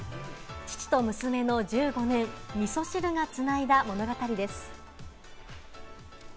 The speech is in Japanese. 父と娘の１５年、みそ汁が繋いだ物語です。